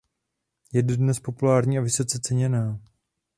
Je dodnes populární a vysoce ceněná.